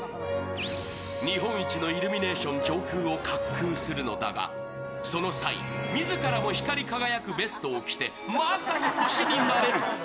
日本一のイルミネーション上空を滑空するのだがその際、自らも光り輝くベストを着て、まさに星になれる。